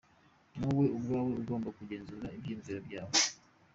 Ni wowe ubwawe ugomba kugenzura ibyiyumviro byawe.